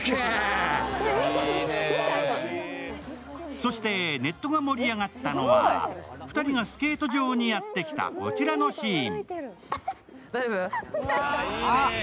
そして、ネットが盛り上がったのは２人がスケート場にやってきたこちらのシーン。